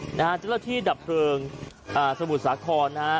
เจ้าหน้าที่ดับเผลอพลสมุทรสาคอน